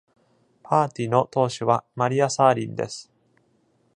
パーティの党首はマリア・サーリンです。